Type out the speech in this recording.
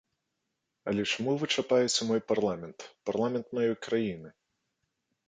Але чаму вы чапаеце мой парламент, парламент маёй краіны?